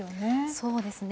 そうですね。